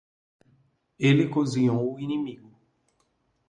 Ele cozinhou o inimigo.